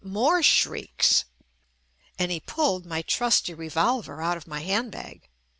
More shrieks ! And he pulled my trusty revolver out of my handbag.